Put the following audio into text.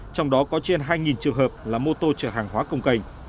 trong đó có trên hai trường hợp là mô tô chở hàng hóa công cành